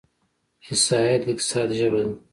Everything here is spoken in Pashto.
احصایه د اقتصاد ژبه ده.